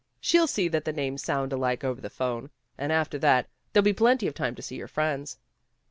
She'll see that the names sound alike over the phone. And after that there'll be plenty of time to see your friends."